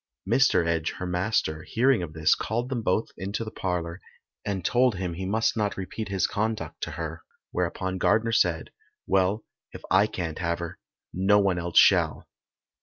Mr Edge, her master, hearing of this, called them both into the parlour, and told him he must not repeat his conduct to her, whereupon Gardner said, "Well, if I can't have her, no one else shall."